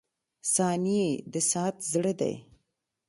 • ثانیې د ساعت زړه دی.